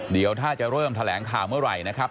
เดี๋ยวถ้าจะเริ่มแถลงข่าวเมื่อไหร่นะครับ